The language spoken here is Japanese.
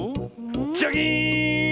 ジャキーン！